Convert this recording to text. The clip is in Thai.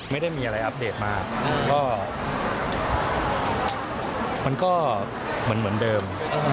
ไม่ได้มีอะไรอัปเดตมากก็มันก็เหมือนเดิม